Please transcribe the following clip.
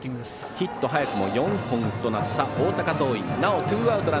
ヒット早くも４本となった大阪桐蔭。